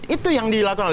itu yang dilakukan